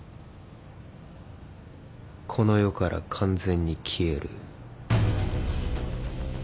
この世から完全に消える。